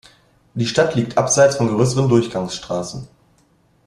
Die Stadt liegt abseits von größeren Durchgangsstraßen.